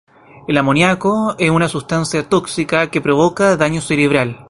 El amoniaco es una sustancia tóxica que provoca daño cerebral.